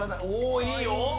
おいいよ。